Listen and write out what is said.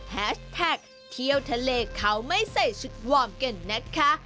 แฮชแท็กเที่ยวทะเลเขาไม่ใส่ชุดวอร์มกันนะคะ